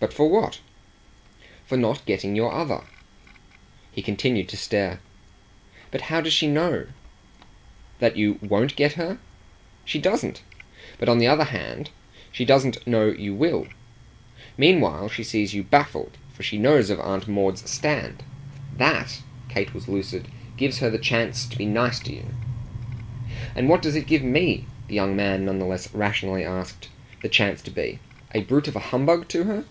"But for what?" "For not getting your other." He continued to stare. "But how does she know ?" "That you WON'T get her? She doesn't; but on the other hand she doesn't know you will. Meanwhile she sees you baffled, for she knows of Aunt Maud's stand. THAT" Kate was lucid "gives her the chance to be nice to you." "And what does it give ME," the young man none the less rationally asked, "the chance to be? A brute of a humbug to her?"